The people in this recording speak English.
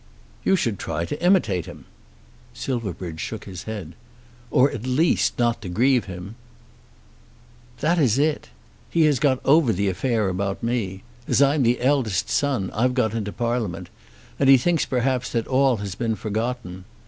"You should try to imitate him." Silverbridge shook his head. "Or at least not to grieve him." "That is it. He has got over the affair about me. As I'm the eldest son I've got into Parliament, and he thinks perhaps that all has been forgotten.